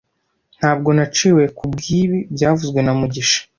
Ntabwo naciwe kubwibi byavuzwe na mugisha